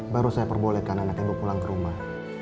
baru saya perbolehkan anak ibu pulang ke rumah